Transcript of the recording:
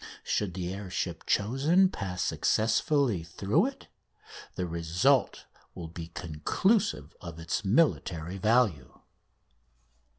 Should the air ship chosen pass successfully through it the result will be conclusive of its military value.